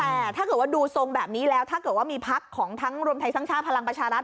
แต่ถ้าเกิดว่าดูทรงแบบนี้แล้วถ้าเกิดว่ามีพักของทั้งรวมไทยสร้างชาติพลังประชารัฐ